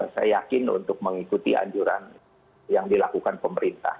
saya yakin untuk mengikuti anjuran yang dilakukan pemerintah